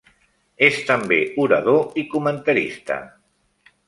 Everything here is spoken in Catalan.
És també orador i comentarista.